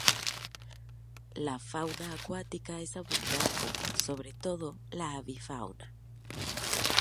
La fauna acuática es abundante, sobre todo la avifauna.